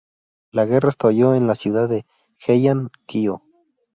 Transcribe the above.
La guerra estalló en la ciudad de Heian-kyō.